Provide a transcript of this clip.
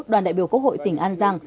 đoàn đại biểu quốc hội tỉnh an giang